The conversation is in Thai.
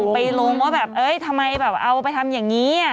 ไปลงว่าแบบทำไมเอาไปทำอย่างนี้